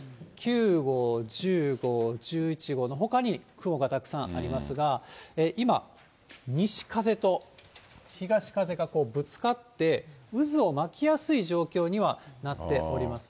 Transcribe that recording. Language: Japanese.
９号、１０号、１１号のほかに雲がたくさんありますが、今、西風と東風がぶつかって、渦を巻きやすい状況にはなっておりますね。